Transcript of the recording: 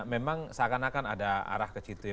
memang seakan akan ada arah ke situ ya